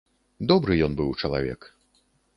Добры ён быў чалавек.